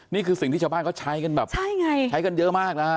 นี่คือสิ่งที่ชาวบ้านเขาใช้กันแบบใช่ไงใช้กันเยอะมากนะฮะ